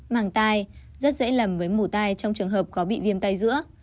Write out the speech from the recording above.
màng tai rất dễ lầm với mù tay trong trường hợp có bị viêm tay giữa